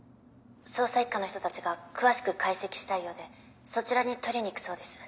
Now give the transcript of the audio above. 捜査一課の人たちが詳しく解析したいようでそちらに取りに行くそうです。